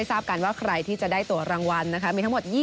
พบกันใหม่ทุกวันเสาร์สด